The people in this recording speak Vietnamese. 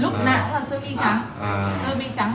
lúc nãy là sơ mi trắng